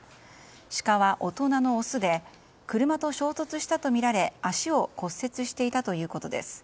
シカは大人のオスで車と衝突したとみられ足を骨折していたということです。